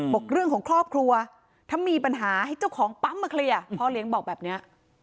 บอกเรื่องของครอบครัวถ้ามีปัญหาให้เจ้าของปั๊มมาเคลียร์พ่อเลี้ยงบอกแบบนี้